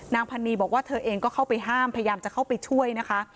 นางพันนีบอกว่าเธอเองก็เข้าไปห้ามพยายามจะเข้าไปช่วยนะคะ